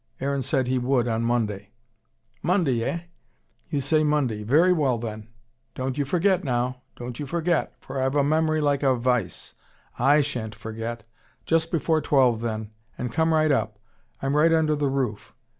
Aaron said he would on Monday. "Monday, eh! You say Monday! Very well then. Don't you forget now. Don't you forget. For I've a memory like a vice. I shan't forget. Just before twelve then. And come right up. I'm right under the roof.